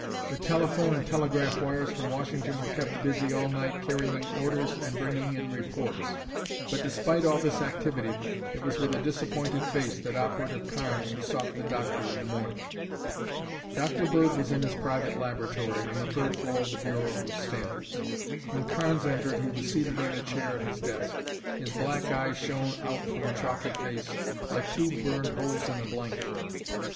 The telephone and telegraph wires from Washington were kept busy all night carrying orders and bringing in reports. But despite all this activity, it was with a disappointed face that Operative Carnes sought the doctor in the morning. Dr. Bird was in his private laboratory on the third floor of the Bureau of Standards. When Carnes entered he was seated in a chair at his desk. His black eyes shone out from a chalky face like two burned holes in a blanket.